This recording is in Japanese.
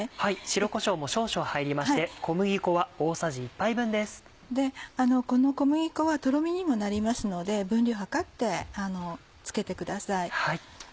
この小麦粉はとろみにもなりますので分量量ってつけてください。